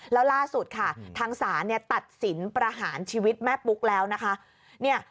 แล้วล่าสุดค่ะทางศาลตัดสินประหารชีวิตแม่ปุ๊กแล้วนะคะ